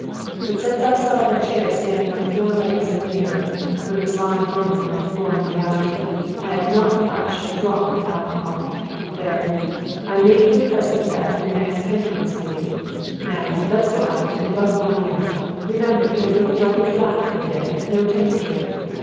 But since I saw that chair standing on its four legs in the mirror, when it was lying broken on the floor in reality, I have not touched a drop of alcohol. There! I make you a present of that for your next temperance meeting. Now let's go out and buck Ronnie up. Remember, he'll feel jolly flat for a bit, with no temperature.